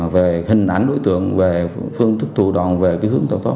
về hình ảnh đối tượng về phương thức thủ đoàn về hướng tàu thoát